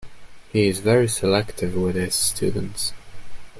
He is very selective with his students.